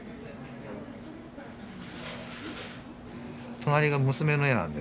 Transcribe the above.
隣が娘の絵なんで。